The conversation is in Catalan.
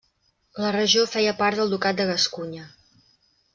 La regió feia part del ducat de Gascunya.